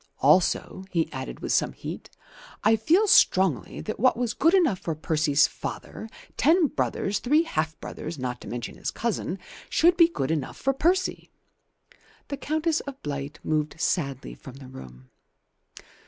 Also," he added with some heat, "I feel strongly that what was good enough for Percy's father, ten brothers, three half brothers, not to mention his cousin, should be good enough for Percy." The Countess of Blight moved sadly from the room.